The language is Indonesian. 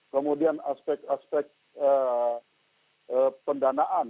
kemudian aspek aspek pendanaan